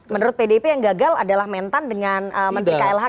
menurut pdip yang gagal adalah mentan dengan menteri klh